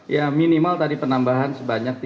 ya minimal tadi penambahan sebanyak tiga puluh enam kursi